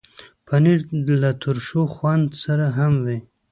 پنېر له ترشو خوند سره هم وي.